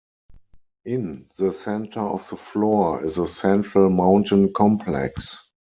In the center of the floor is a central mountain complex.